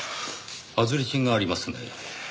アズリチンがありますね。